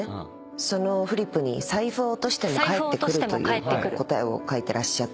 そのフリップに「財布を落としても帰ってくる」という答えを書いてらっしゃって。